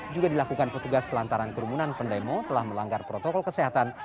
juga dilakukan petugas lantaran kerumunan pendemo telah melanggar protokol kesehatan